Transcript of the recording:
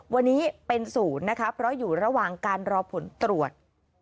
วันนี้เป็นศูนย์นะคะเพราะอยู่ระหว่างการรอผลตรวจ